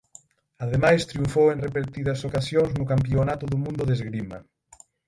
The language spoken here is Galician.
Ademais triunfou en repetidas ocasións no Campionato do Mundo de Esgrima.